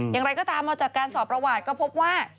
อย่างไรก็ตามมาจากการสอบประวัติก็พบว่า